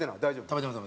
食べてます